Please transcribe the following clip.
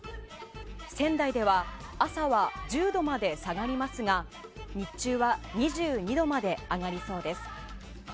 仙台では朝は１０度まで下がりますが日中は２２度まで上がりそうです。